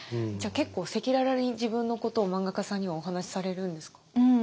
じゃあ結構赤裸々に自分のことを漫画家さんにはお話しされるんですか？